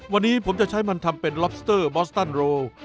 วันนี้ผมจะใช้มันทำเป็นล็อบสเตอร์มอสตันโร